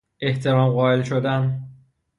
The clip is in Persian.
احترام قائل شدن